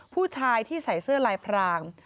ผู้ชายที่ใส่เสื้อลายพราง